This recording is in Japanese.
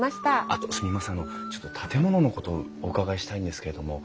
あのちょっと建物のことお伺いしたいんですけれども。